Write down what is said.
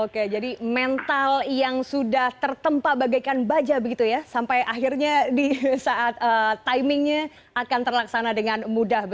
oke jadi mental yang sudah tertempa bagaikan baja begitu ya sampai akhirnya di saat timingnya akan terlaksana dengan mudah